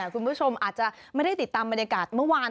คุณผู้ชมอาจจะไม่ได้ติดตามบรรยากาศเมื่อวาน